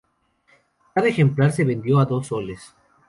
Cada ejemplar se vendió a dos soles.